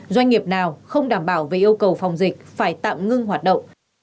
doanh nghiệp nào không đảm bảo về yêu cầu phòng dịch phải tạm ngưng hoạt động